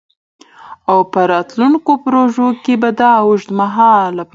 او په راتلونکو پروژو کي به د اوږدمهاله